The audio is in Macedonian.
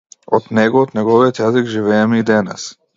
Од него, од неговиот јазик живееме и денес.